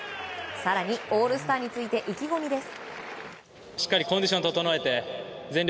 更にオールスターについて意気込みです。